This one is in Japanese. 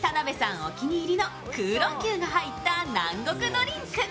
お気に入りの九龍球の入った南国ドリンク。